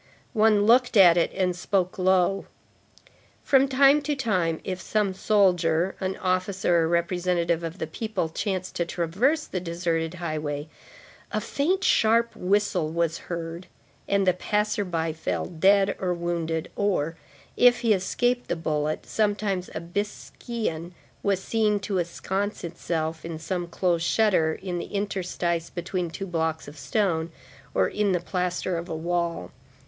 One looked at it and spoke low. From time to time, if some soldier, an officer or representative of the people, chanced to traverse the deserted highway, a faint, sharp whistle was heard, and the passer by fell dead or wounded, or, if he escaped the bullet, sometimes a biscaïen was seen to ensconce itself in some closed shutter, in the interstice between two blocks of stone, or in the plaster of a wall.